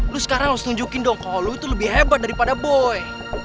lo sekarang harus tunjukin dong kalau lo itu lebih hebat daripada boy